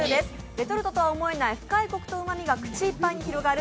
レトルトとは思えない深いこくと甘みが口いっぱいに広がる